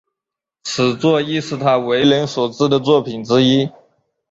此作亦是他为人所知的作品之一。